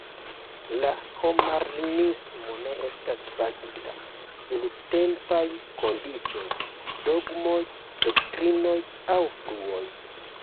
La homaranismo ne estas bazita sur tempaj kondiĉoj, dogmoj, doktrinoj aŭ fluoj.